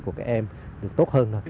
của các em được tốt hơn hơn